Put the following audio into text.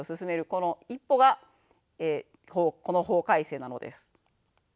この一歩がこの法改正なのです。